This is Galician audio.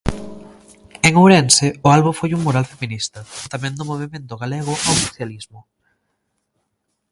En Ourense o albo foi un mural feminista, tamén do Movemento Galego ao Socialismo.